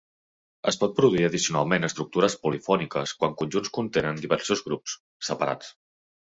Es pot produir addicionalment estructures polifòniques quan conjunts contenen diversos grups, separats.